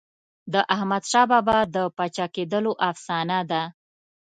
د احمدشاه بابا د پاچا کېدلو افسانه ده.